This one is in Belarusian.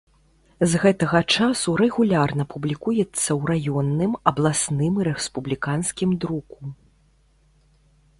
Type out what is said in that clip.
З гэтага часу рэгулярна публікуецца ў раённым, абласным і рэспубліканскім друку.